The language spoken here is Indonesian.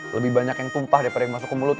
lebih banyak yang tumpah daripada yang masuk ke mulut